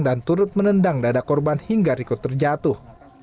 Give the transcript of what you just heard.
dan turut menendang dada korban hingga riko terjatuh